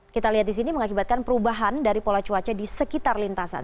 kita lihat di sini mengakibatkan perubahan dari pola cuaca di sekitar lintasan